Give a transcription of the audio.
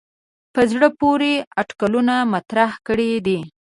په زړه پورې اټکلونه مطرح کړي دي.